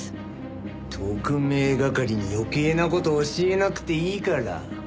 特命係に余計な事教えなくていいから。